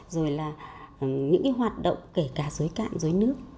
rồi là những cái hoạt động kể cả dối cạn dối nước